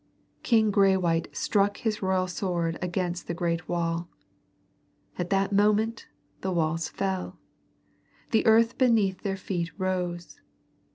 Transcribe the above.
King Graywhite struck his royal sword against the great wall. At that moment the walls fell. The earth beneath their feet rose.